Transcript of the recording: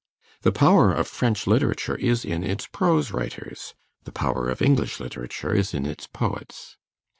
The power of French literature is in its prose writers, the power of English literature is in its poets.